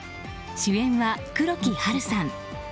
主演は黒木華さん。